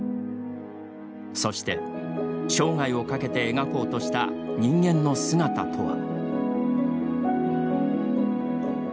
そして、生涯をかけて描こうとした人間の姿とは。